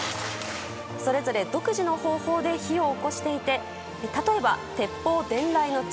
それぞれ独自の方法で火をおこしていて例えば鉄砲伝来の地